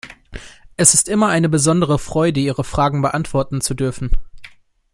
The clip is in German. Es ist immer eine besondere Freude, ihre Fragen beantworten zu dürfen.